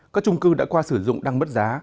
các trung cư đã qua sử dụng đang mất giá